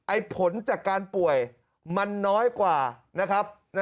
ผลจากการป่วยมันน้อยกว่านะครับ